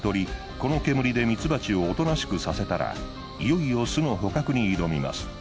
この煙でミツバチをおとなしくさせたらいよいよ巣の捕獲に挑みます。